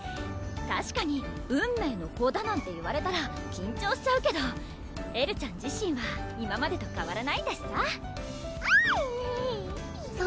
たしかに運命の子だなんて言われたら緊張しちゃうけどエルちゃん自身は今までとかわらないんだしさえるぅ！